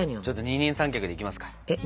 二人三脚でいきますか？